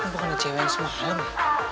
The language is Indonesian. ini bukan ada cewek yang semalem ya